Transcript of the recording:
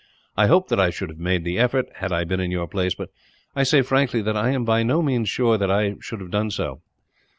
I hope that I should have made the effort, had I been in your place; but I say frankly that I am by no means sure that I should have done so.